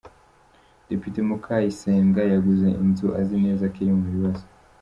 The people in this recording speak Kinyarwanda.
Depite Mukayisenga yaguze inzu azi neza ko iri mu bibazo.